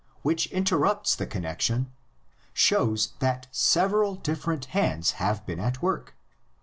which interrupts the con nexion, shows that several different hands have been at work.